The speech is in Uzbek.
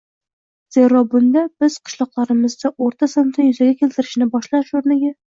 Zero, bunda biz qishloqlarimizda o‘rta sinfni yuzaga keltirishni boshlash o‘rniga